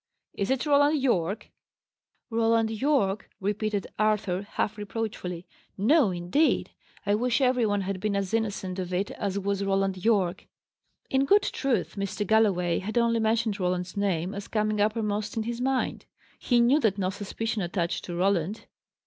"Is it Roland Yorke?" "Roland Yorke!" repeated Arthur, half reproachfully. "No, indeed. I wish every one had been as innocent of it as was Roland Yorke." In good truth, Mr. Galloway had only mentioned Roland's name as coming uppermost in his mind. He knew that no suspicion attached to Roland.